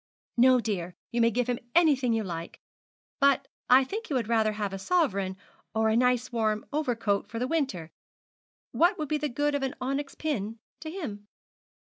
'No, dear; you may give him anything you like. But I think he would rather have a sovereign or a nice warm overcoat for the winter. What would be the good of an onyx pin to him?'